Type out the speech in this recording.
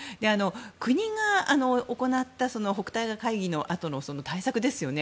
国が行った北戴河会議のあとの対策ですよね。